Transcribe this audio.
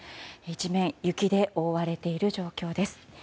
一面雪で覆われている状況です。